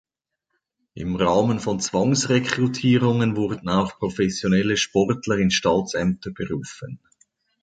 Im Rahmen von Zwangsrekrutierungen wurden auch professionelle Sportler in Staatsämter berufen.